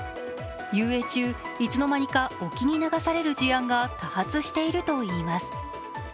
遊泳中いつの間にか沖に流される事案が多発しているといいます。